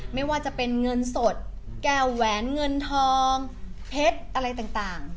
ไม่ว่าจะเป็นเงินสดแก้วแหวนเงินทองเพชรอะไรต่าง